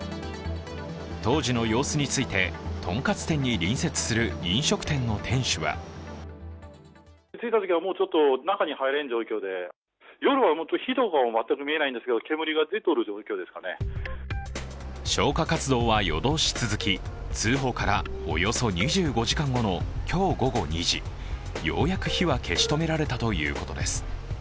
当時の様子についてとんかつ店に隣接する飲食店の店主は消火活動は夜通し続き通報からおよそ２５時間後の今日午後２時、ようやく火は消し止められたということです。